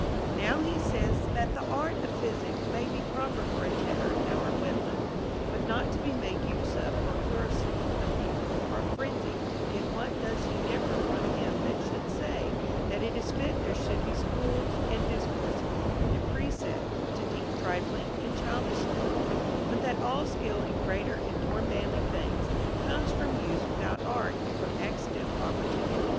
Now he that says that the art of physic may be proper for a tetter or a whitlow, but not to be made use of for a pleurisy, a fever, or a frenzy, in what does he differ from him that should say that it is fit there sliould be schools, and discourses, and precepts, to teach trifling and childish things, but that all skill in greater and more manly things comes from use without art and from accidental opportu nity